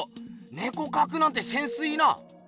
ねこかくなんてセンスいいな！